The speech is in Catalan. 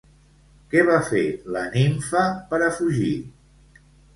Què va fer la nimfa per a fugir?